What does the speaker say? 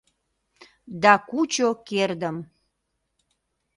Да кучо кердым!